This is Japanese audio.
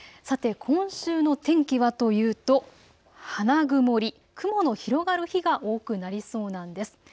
さて今週の天気はというと花曇り、雲の広がる日が多くなりそうなんです。